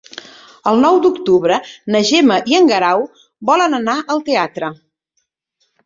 El nou d'octubre na Gemma i en Guerau volen anar al teatre.